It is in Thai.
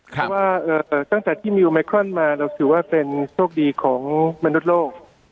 ครับว่าเอ่อตั้งแต่ที่มีมาเราถือว่าเป็นโชคดีของมนุษย์โลก